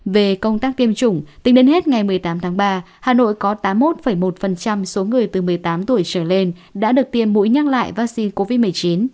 về công tác tiêm chủng tính đến hết ngày một mươi tám tháng ba hà nội có tám mươi một một số người từ một mươi tám tuổi trở lên đã được tiêm mũi nhắc lại vaccine covid một mươi chín